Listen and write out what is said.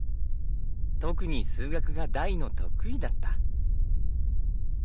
とくに数学が大の得意だった。